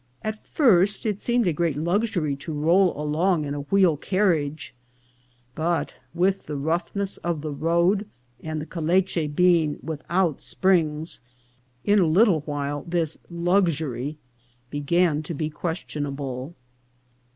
At first it seemed a great luxury to roll along in a wheel carriage ; but, with the roughness of the road, and the caleche being without springs, in a little while this luxury began to be questionable.